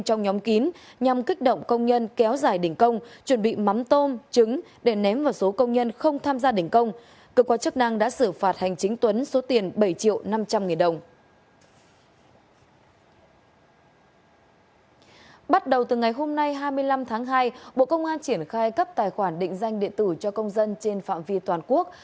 hôm nay hai mươi năm tháng hai bộ công an triển khai cấp tài khoản định danh điện tử cho công dân trên phạm vi toàn quốc